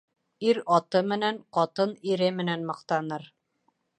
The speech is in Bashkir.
Ир аты менән, ҡатын ире менән маҡтаныр.